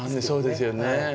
そうですよね。